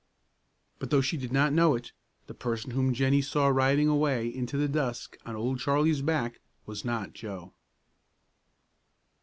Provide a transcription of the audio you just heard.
But though she did not know it, the person whom Jennie saw riding away into the dusk on old Charlie's back was not Joe.